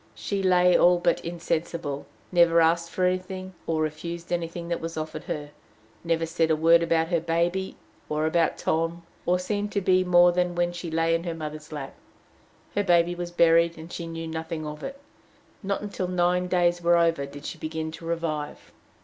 She lay all but insensible, never asked for anything, or refused anything that was offered her, never said a word about her baby, or about Tom, or seemed to be more than when she lay in her mother's lap. Her baby was buried, and she knew nothing of it. Not until nine days were over did she begin to revive.